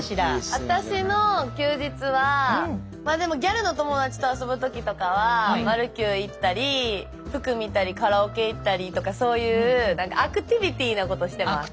私の休日はギャルの友達と遊ぶ時とかはマルキュー行ったり服見たりカラオケ行ったりとかそういうアクティビティーなことしてます。